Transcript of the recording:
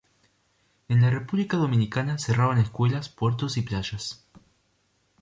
En la República Dominicana cerraron escuelas, puertos y playas.